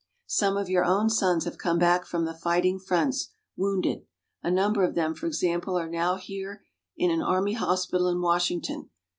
Some of your own sons have come back from the fighting fronts, wounded. A number of them, for example, are now here in an Army hospital in Washington.